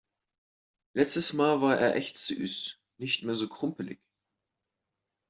Letztes Mal war er echt süß. Nicht mehr so krumpelig.